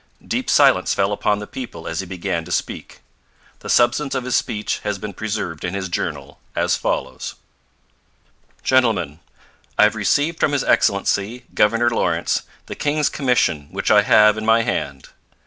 Deep silence fell upon the people as he began to speak. The substance of his speech has been preserved in his Journal, as follows: Gentlemen, I have received from His Excellency, Governor Lawrence, the King's commission which I have in my hand.